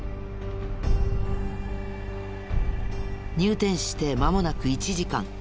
入店してまもなく１時間。